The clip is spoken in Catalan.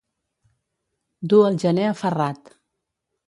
Dur el gener aferrat.